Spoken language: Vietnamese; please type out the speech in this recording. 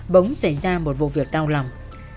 bỗng xảy ra một vụ việc đau lòng